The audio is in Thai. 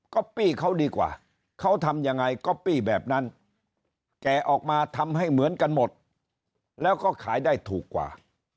ก็ปี้เขาดีกว่าเขาทำยังไงก๊อปปี้แบบนั้นแก่ออกมาทำให้เหมือนกันหมดแล้วก็ขายได้ถูกกว่า